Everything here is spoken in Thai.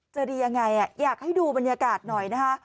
จะดียังไงอยากให้ดูบรรยากาศหน่อยนะคะ